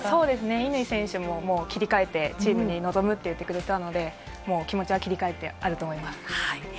乾選手ももう切り替えてチームに臨む言ってくれたので、気持ちは切り替えていると思います。